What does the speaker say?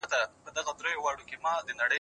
اقتصادي نظامونه د ټولنې جوړښت ټاکي.